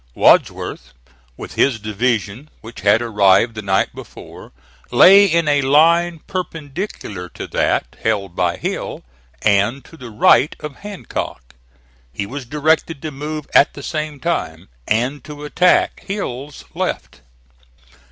Wadsworth with his division, which had arrived the night before, lay in a line perpendicular to that held by Hill, and to the right of Hancock. He was directed to move at the same time, and to attack Hill's left.